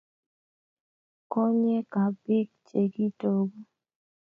Konyekab bik chekitoku